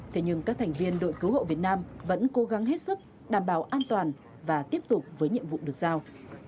thế nhưng các thành viên đội cứu hộ việt nam vẫn cố gắng hết sức đảm bảo an toàn và tiếp tục với nhiệm vụ được giao